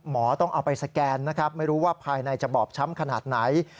ต้องเอาไปสแกนนะครับไม่รู้ว่าภายในจะบอบช้ำขนาดไหน